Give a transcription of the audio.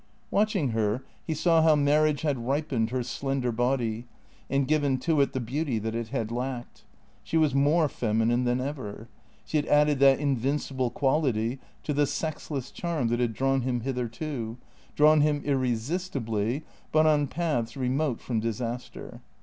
Watching her, he saw how marriage had ripened her slender body and given to it the beauty that it had lacked. She was more feminine than ever. She had added that invincible quality to the sexless charm that had drawn him hitherto, drawn him irresistibly, but on paths remote from disaster.